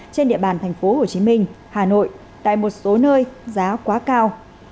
trên địa bàn thành phố hồ chí minh hà nội tại một số nơi giá quá cao